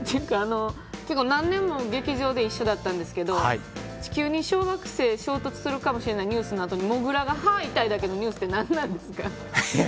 結構、何年も劇場で一緒だったんですけど地球に小惑星衝突されるかもしれないニュースの後にもぐらが歯が痛いだけのニュース何ですか。